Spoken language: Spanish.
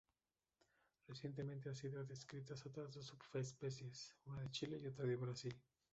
Recientemente han sido descritas otras dos subespecies, una de Chile y otra de Brasil.